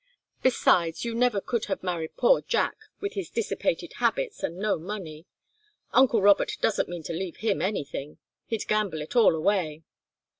Besides, you never could have married poor Jack, with his dissipated habits, and no money. Uncle Robert doesn't mean to leave him anything. He'd gamble it all away."